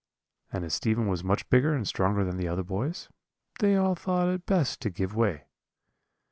"And as Stephen was much bigger and stronger than the other boys, they all thought it best to give way.